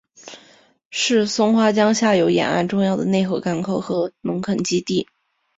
是松花江下游沿岸重要的内河港口和农垦基地。